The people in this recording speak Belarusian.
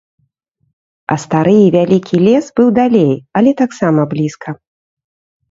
А стары і вялікі лес быў далей, але таксама блізка.